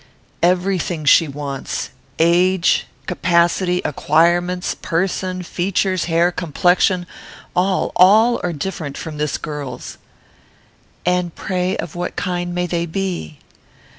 "Every thing she wants. Age, capacity, acquirements, person, features, hair, complexion, all, all are different from this girl's." "And pray of what kind may they be?"